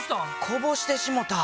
こぼしてしもた。